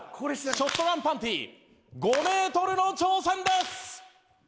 ショットガンパンティ５メートルの挑戦です！